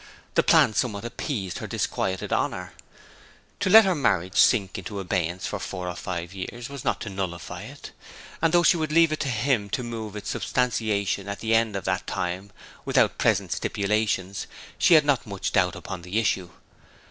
The plan somewhat appeased her disquieted honour. To let a marriage sink into abeyance for four or five years was not to nullify it; and though she would leave it to him to move its substantiation at the end of that time, without present stipulations, she had not much doubt upon the issue.